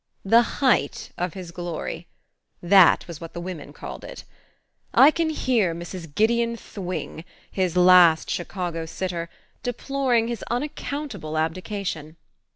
"The height of his glory" that was what the women called it. I can hear Mrs. Gideon Thwing his last Chicago sitter deploring his unaccountable abdication.